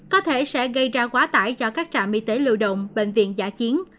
có thể sẽ gây ra quá tải cho các trạm y tế lưu động bệnh viện giả chiến